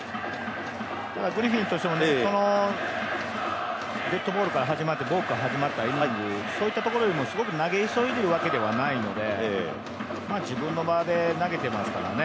グリフィンとしてもデッドボールから始まってボークから始まって、そういう意味でも投げ急いでいる感じじゃないので自分の間で投げてますからね。